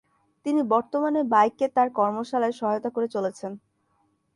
তিনি বর্তমানে বাই-কে তাঁর কর্মশালায় সহায়তা করে চলেছেন।